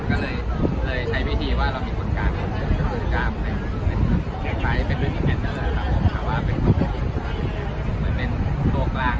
ก็เลยใช้วิธีว่าเรามีคนกลางคือกลางเป็นตัวกลาง